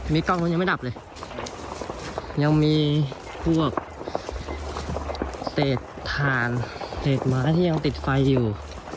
มีกล้องนู้นยังไม่ดับเลยยังมีพวกเศษฐานเศษหมาที่ยังติดไฟอยู่